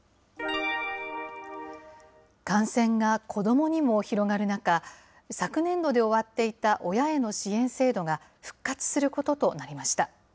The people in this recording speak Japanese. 感染が子どもにも広がる中、昨年度で終わっていた親への支援制度が復活することとなりました。